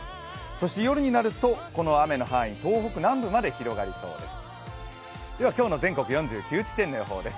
そして夜になると、この雨の範囲東北南部まで広がりそうです。